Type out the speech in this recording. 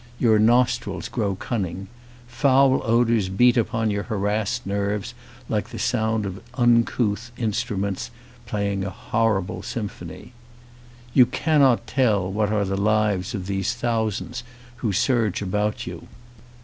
Your nostrils grow cunning. Foul odours beat upon your harassed nerves like the sound of uncouth in struments playing a horrible symphony. You cannot tell what are the lives of these thou sands who surge about you.